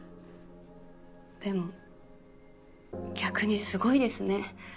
でも逆にすごいですね。